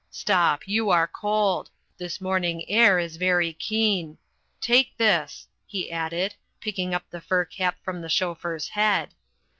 Stop, you are cold. This morning air is very keen. Take this," he added, picking off the fur cap from the chauffeur's head.